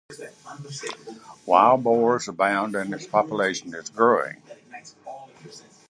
Wild boar abounds and its population is growing.